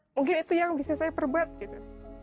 mungkin itu yang bisa saya perbuat gitu